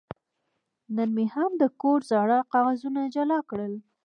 نن مې د کور زاړه کاغذونه جلا کړل.